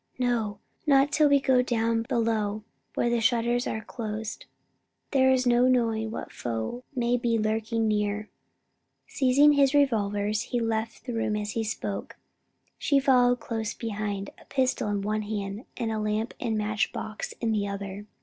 "No, not till we go down below where the shutters are closed. There is no knowing what foe may be lurking near." Seizing his revolvers, he left the room as he spoke, she following close behind, a pistol in one hand, a lamp and match box in the other.